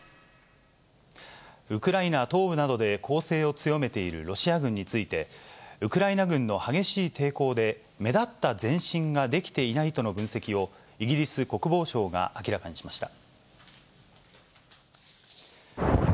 ウクライナ東部などで攻勢を強めているロシア軍について、ウクライナ軍の激しい抵抗で、目立った前進ができていないとの分析を、イギリス国防省が明らかにしました。